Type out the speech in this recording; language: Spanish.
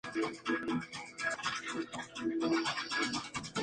Esas cosas no se hacen.